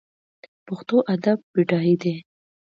پښتو ادب بډای دی